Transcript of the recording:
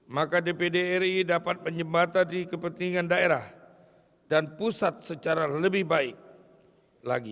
maka dpd ri dapat menyembata di kepentingan daerah dan pusat secara lebih baik lagi